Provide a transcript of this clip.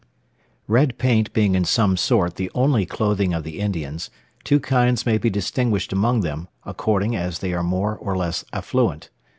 Red paint being in some sort the only clothing of the Indians, two kinds may be distinguished among them, according as they are more or less affluent.